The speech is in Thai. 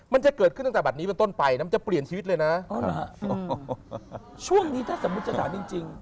มันจะเกิดขึ้นตั้งแต่บัตรนี้เป็นต้นไปนะมันจะเปลี่ยนชีวิตเลยนะช่วงนี้ถ้าสมมุติจะถามจริงจริง